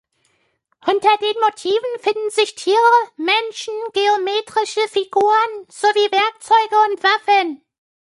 Unter den Motiven finden sich Tiere, Menschen, geometrische Figuren sowie Werkzeuge und Waffen.